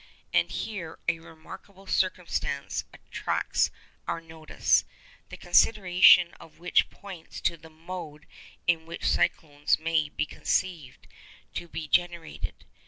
And here a remarkable circumstance attracts our notice, the consideration of which points to the mode in which cyclones may be conceived to be generated.